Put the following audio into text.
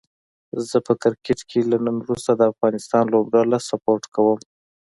زه په کرکټ کې له نن وروسته د افغانستان لوبډله سپوټ کووم